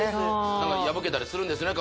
何か破けたりするんですね